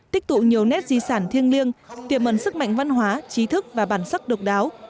tích tụ nhiều nét di sản thiêng liêng tiềm ẩn sức mạnh văn hóa trí thức và bản sắc độc đáo